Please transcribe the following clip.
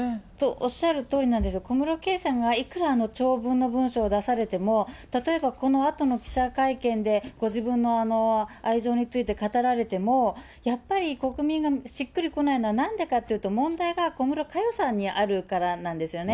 おっしゃるとおりなんです、小室圭さんがいくら長文の文書を出されても、例えばこのあとの記者会見で、ご自分の愛情について語られても、やっぱり、国民がしっくりこないのはなんでかというと、問題が小室佳代さんにあるからなんですよね。